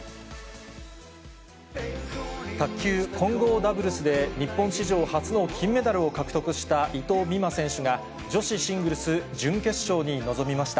卓球混合ダブルスで、日本史上初の金メダルを獲得した伊藤美誠選手が、女子シングルス準決勝に臨みました。